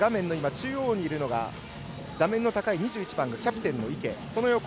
中央にいたのが座面の高い２１番キャプテンの池。